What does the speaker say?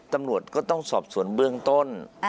ตำรวจก็ต้องสอบสวนเบื้องต้น